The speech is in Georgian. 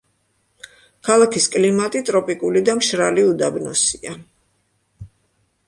ქალაქის კლიმატი ტროპიკული და მშრალი უდაბნოსია.